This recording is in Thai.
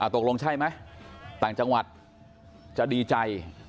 ตกลงใช่ไหมต่างจังหวัดจะดีใจ